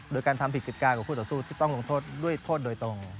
โดยการทำผิดกิจการของคู่ต่อสู้ที่ต้องลงโทษด้วยโทษโดยตรง